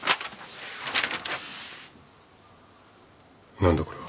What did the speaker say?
何だこれは。